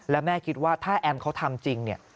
แล้วแม่คิดว่าถ้าแอมเขาทำจริงเนี่ย